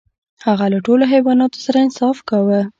هغه له ټولو حیواناتو سره انصاف کاوه.